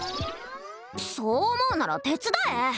そう思うなら手伝え！